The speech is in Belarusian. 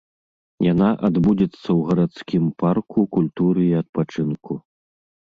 Яна адбудзецца ў гарадскім парку культуры і адпачынку.